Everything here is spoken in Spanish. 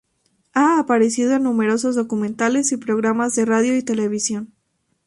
Ha aparecido en numerosos documentales, y programas de radio y televisión.